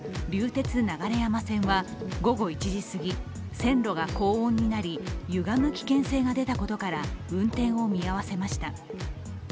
鉄流山線は午後１時すぎ、線路が高温になりゆがむ危険性が出たことから運転を見合わせました。